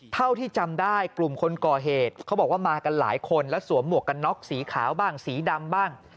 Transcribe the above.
เท่าที่จำได้กลุ่มคนก่อเหตุเขาบอกว่ามากันหลายคนและสวมหมวกกันน็อกสีขาวบ้างสีดำบ้าง